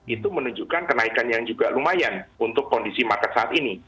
itu menunjukkan kenaikan yang juga lumayan untuk kondisi market saat ini